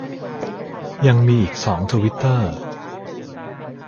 ยังมีอีกสองทวิตเตอร์